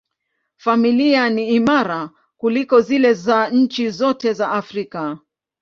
Familia ni imara kuliko zile za nchi zote za Afrika.